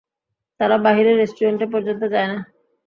তারা বাহিরে রেস্টুরেন্টে পর্যন্ত যায় না।